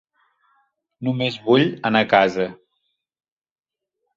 Només vull anar a casa.